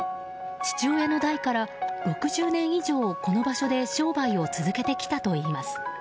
父親の代から６０年以上この場所で商売を続けてきたといいます。